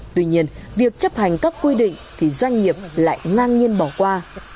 tuy nhiên việc chấp hành các quy định thì doanh nghiệp lại ngang nhiên bỏ qua